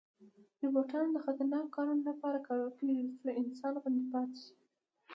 روباټونه د خطرناکو کارونو لپاره کارول کېږي، څو انسان خوندي پاتې شي.